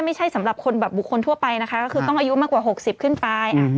สำหรับคนแบบบุคคลทั่วไปนะคะก็คือต้องอายุมากกว่า๖๐ขึ้นไป